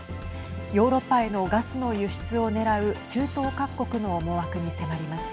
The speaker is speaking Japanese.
ヨーロッパへのガスの輸出を狙う中東各国の思惑に迫ります。